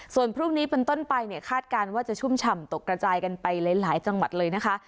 ส่วนพรุ่งนี้เป็นต้นไปเนี่ยคาดการณ์ว่าจะชุ่มฉ่ำตกกระจายกันไปหลายจังหวัดเลยนะคะ